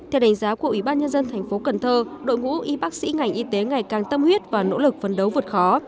theo đánh giá của ủy ban nhân dân thành phố cần thơ đội ngũ y bác sĩ ngành y tế ngày càng tâm huyết và nỗ lực phấn đấu vượt khó